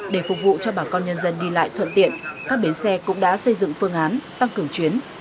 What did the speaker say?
để phục vụ cho bà con nhân dân đi lại thuận tiện các bến xe cũng đã xây dựng phương án tăng cường chuyến